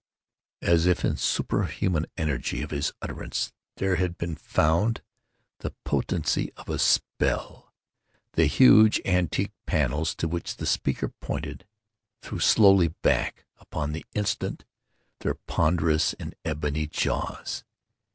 _" As if in the superhuman energy of his utterance there had been found the potency of a spell—the huge antique pannels to which the speaker pointed, threw slowly back, upon the instant, their ponderous and ebony jaws.